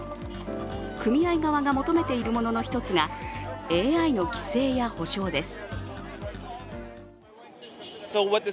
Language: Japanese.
組合側が求めているものの１つがＡＩの規制や補償です。